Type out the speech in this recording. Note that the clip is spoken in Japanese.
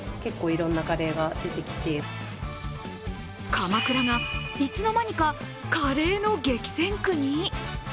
鎌倉が、いつのまにかカレーの激戦区に？